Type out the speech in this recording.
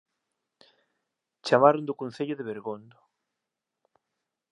Chamaron do Concello de Bergondo